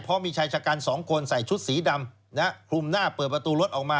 เพราะมีชายชะกัน๒คนใส่ชุดสีดำคลุมหน้าเปิดประตูรถออกมา